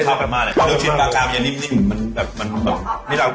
ลูกชิ้นปลากายมันยิ่งมันแบบ